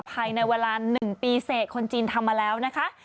ภายในเวลา๑ปีเสร็จคนจีนทำมาแล้วนะคะ